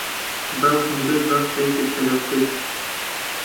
باوکم زۆر باش دایکت دەناسێت.